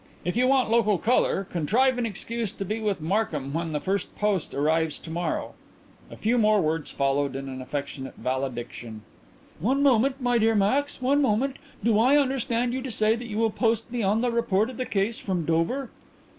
"If you want local colour contrive an excuse to be with Markham when the first post arrives to morrow." A few more words followed, and an affectionate valediction. "One moment, my dear Max, one moment. Do I understand you to say that you will post me on the report of the case from Dover?"